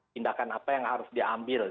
tindakan apa yang harus diambil